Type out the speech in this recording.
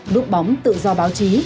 lúc bóng tự do báo chí